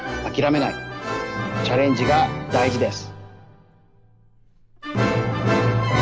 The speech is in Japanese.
チャレンジがだいじです。